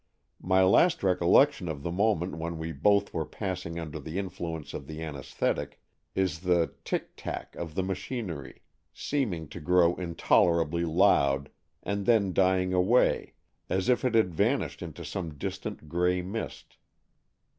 My last recollection of the moment when we both were passing under the influence of the anaesthetic is the tick tack of the machinery, seeming to grow intolerably loud and then dying away as if it had vanished into some distant grey mist.